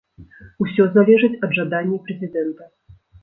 Усё залежыць ад жадання прэзідэнта.